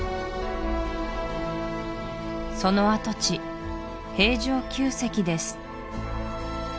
その跡地平城宮跡です